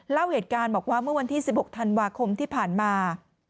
เล่าเหตุการณ์บอกว่าเมื่อวันที่๑๖ธันวาคมที่ผ่านมา